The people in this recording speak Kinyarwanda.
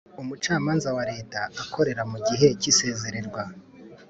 Umucamanza wa Leta akorera mu gihe cy’isezererwa